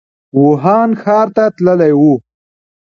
ووهان ښار ته تللی و.